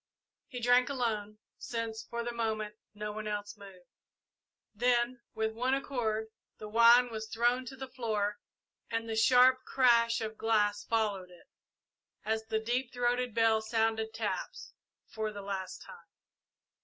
He drank alone, since, for the moment, no one else moved. Then, with one accord, the wine was thrown to the floor and the sharp crash of glass followed it, as the deep throated bell sounded taps for the last time.